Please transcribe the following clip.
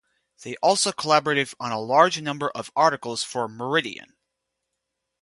They also collaborated on a large number of articles for "Meridian".